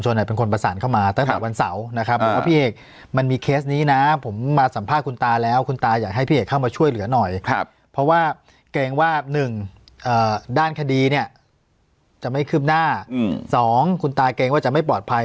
จะไม่ขึ้นหน้าอืมสองคุณตาแก๊งว่าจะไม่ปลอดภัย